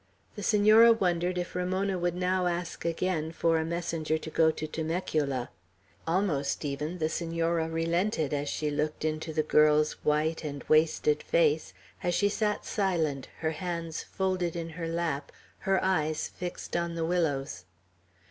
The Senora wondered if Ramona would now ask again for a messenger to go to Temecula. Almost even the Senora relented, as she looked into the girl's white and wasted face, as she sat silent, her hands folded in her lap, her eyes fixed on the willows.